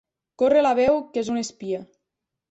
Corre la veu que és un espia.